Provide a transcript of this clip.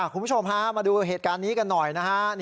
คุณผู้ชมฮะมาดูเหตุการณ์นี้กันหน่อยนะฮะ